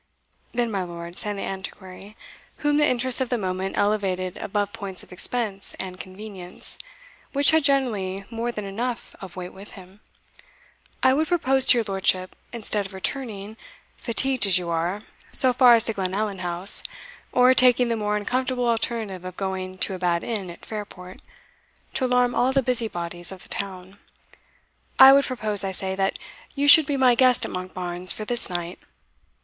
"Then, my lord," said the Antiquary, whom the interest of the moment elevated above points of expense and convenience, which had generally more than enough of weight with him, "I would propose to your lordship, instead of returning, fatigued as you are, so far as to Glenallan House, or taking the more uncomfortable alternative of going to a bad inn at Fairport, to alarm all the busybodies of the town I would propose, I say, that you should be my guest at Monkbarns for this night.